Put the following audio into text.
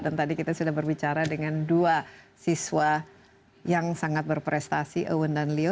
dan tadi kita sudah berbicara dengan dua siswa yang sangat berprestasi ewen dan leo